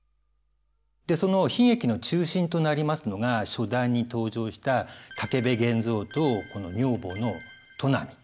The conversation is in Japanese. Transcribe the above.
その悲劇の中心となりますのが初段に登場した武部源蔵とこの女房の戸浪。